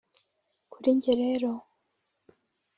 Kuri njye rero